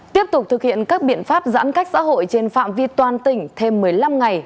tiếp tục thực hiện các biện pháp giãn cách xã hội trên phạm vi toàn tỉnh thêm một mươi năm ngày